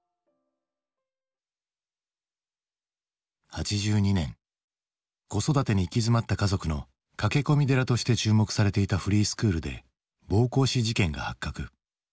８２年子育てに行き詰まった家族の駆け込み寺として注目されていたフリースクールで暴行死事件が発覚。